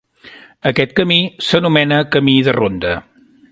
Aquest camí s’anomena camí de ronda.